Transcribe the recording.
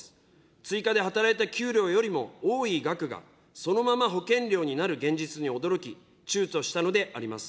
追加で働いた給料よりも多い額が、そのまま保険料になる現実に驚き、ちゅうちょしたのであります。